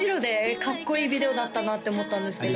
かっこいいビデオだったなって思ったんですけど